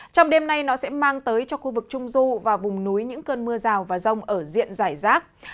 trong đêm nay nó sẽ mang tới cho khu vực trung du và vùng núi những cơn mưa rào và rông ở diện giải rác